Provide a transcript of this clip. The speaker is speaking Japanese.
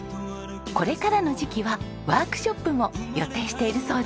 これからの時期はワークショップも予定しているそうですよ。